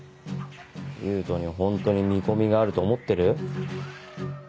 勇人に本当に見込みがあると思ってる？